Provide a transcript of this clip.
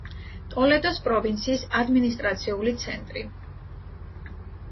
ტოლედოს პროვინციის ადმინისტრაციული ცენტრი.